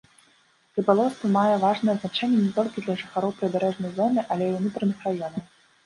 Рыбалоўства мае важнае значэнне не толькі для жыхароў прыбярэжнай зоны, але і ўнутраных раёнаў.